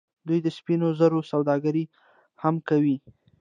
دوی د سپینو زرو سوداګري هم کوي.